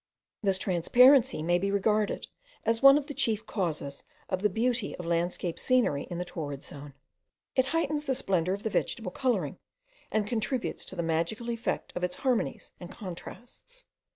This transparency may be regarded as one of the chief causes of the beauty of landscape scenery in the torrid zone; it heightens the splendour of the vegetable colouring, and contributes to the magical effect of its harmonies and contrasts.